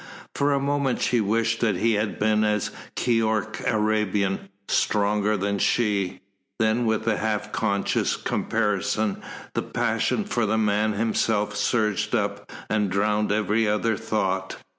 For a moment she wished that he had been as Keyork Arabian, stronger than she; then, with the half conscious comparison the passion for the man himself surged up and drowned every other thought.